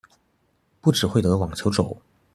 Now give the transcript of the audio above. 不只會得網球肘